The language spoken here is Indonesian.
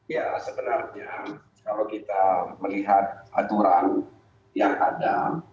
ya sebenarnya kalau kita melihat aturan yang ada